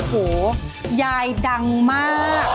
โหยายดังมาก